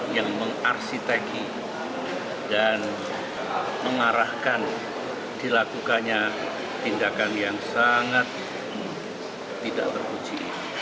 yang mengarsiteki dan mengarahkan dilakukannya tindakan yang sangat tidak terpuji